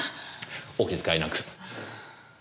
お気遣いなく。